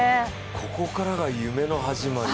ここからが夢の始まり。